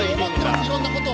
いろんなことを。